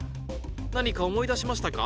何か思い出しましたか？